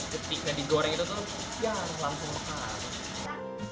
ketika didoreng itu tuh langsung kepal